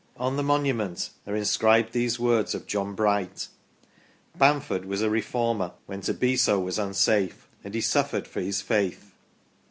On the monument are in scribed these words of John Bright :" Bamford was a Reformer when to be so was unsafe, and he suffered for his faith